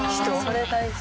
それ大事。